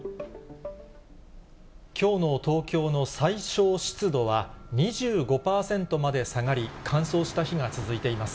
きょうの東京の最小湿度は、２５％まで下がり、乾燥した日が続いています。